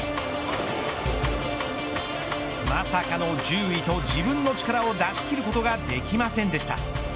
まさかの１０位と自分の力を出し切ることができませんでした。